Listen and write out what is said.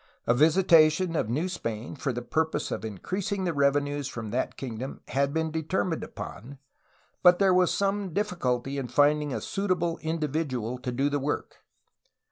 A visitation of New Spain for the purpose of increasing the revenues from that kingdom had been determined upon, but there was some difficulty in finding a suitable individual to do the work.